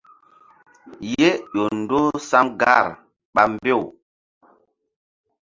Ye ƴo ndoh sam gar ɓa mbew.